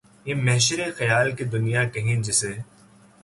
یہ محشرِ خیال کہ دنیا کہیں جسے